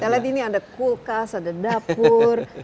saya lihat ini ada kulkas ada dapur